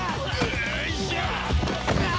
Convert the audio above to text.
よいしょ！